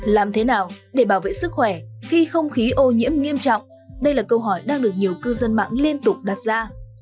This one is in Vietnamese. làm thế nào để bảo vệ sức khỏe khi không khí ô nhiễm nghiêm trọng đây là câu hỏi đang được nhiều cư dân mạng liên tục đặt ra